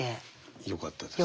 よかったですね。